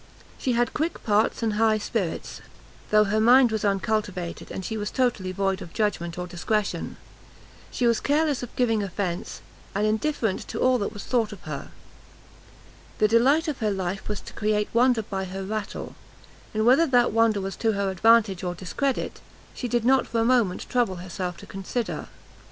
She had quick parts and high spirits, though her mind was uncultivated, and she was totally void of judgment or discretion; she was careless of giving offence, and indifferent to all that was thought of her; the delight of her life was to create wonder by her rattle, and whether that wonder was to her advantage or discredit, she did not for a moment trouble herself to consider.